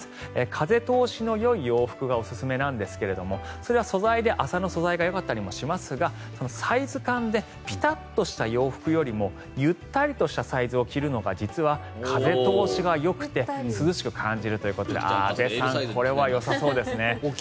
風通しのよい洋服がおすすめなんですが素材は麻の素材がよかったりもしますがサイズ感でピタッとした洋服よりもゆったりとしたサイズを着るのが実は風通しがよくて涼しく感じるということでこれはよさそうですね。